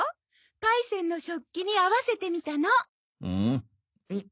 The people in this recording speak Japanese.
パイセンの食器に合わせてみたの。